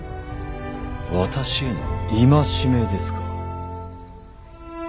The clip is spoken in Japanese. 私への戒めですか。